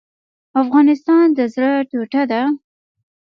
افغانستان د زړه ټوټه ده؟